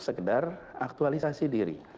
sekedar aktualisasi diri